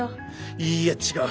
いいや違う。